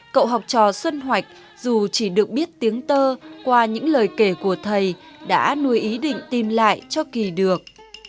cậu học trò xuân hoạch dù chỉ được biết tiếng tơ qua những lời kể của thầy đã nuôi ý định tìm lại cho kỳ được